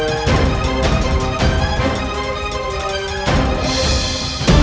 aku harus mencari tahu